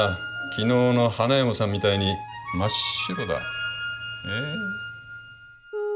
昨日の花嫁さんみたいに真っ白だ。